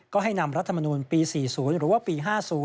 ก็ให้นำรัฐมนูลปี๔๐หรือว่าปี๕๐